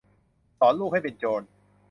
สอนลูกให้เป็นโจร